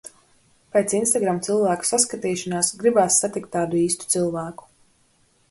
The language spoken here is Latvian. Pēc Instagram cilvēku saskatīšanās, gribās satikt tādu īstu cilvēku!